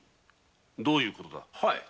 どういうことだ。